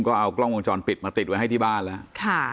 ก็เอากล้องวงจรปิดมาติดไว้ให้ที่บ้านแล้ว